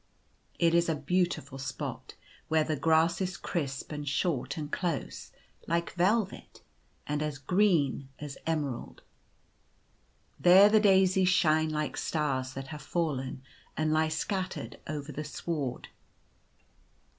It is a beauti ful spot, where the grass is crisp and short and close like velvet, and as green as emerald. There the daisies shine like stars that have fallen, and lie scattered over the sward.